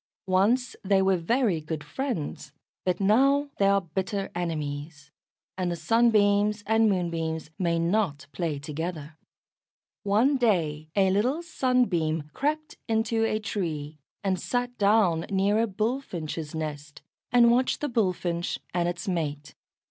Once they were very good friends. But now they are bitter enemies, and the Sunbeams and Moonbeams may not play together. One day a little Sunbeam crept into a tree, and sat down near a Bullfinch's nest, and watched the Bullfinch and its mate.